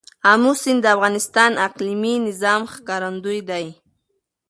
آمو سیند د افغانستان د اقلیمي نظام ښکارندوی دی.